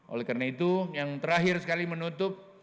oleh karena itu yang terakhir sekali menutup